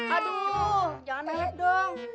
aduh jangan melet dong